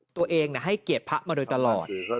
ตัวเองให้เกียรติพระมาโดยตลอด